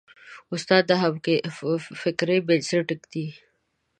استاد د همفکرۍ بنسټ ږدي.